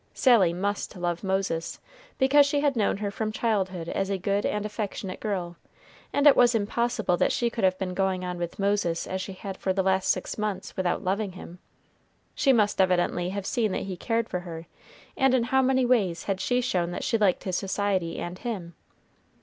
Sally must love Moses, because she had known her from childhood as a good and affectionate girl, and it was impossible that she could have been going on with Moses as she had for the last six months without loving him. She must evidently have seen that he cared for her; and in how many ways had she shown that she liked his society and him!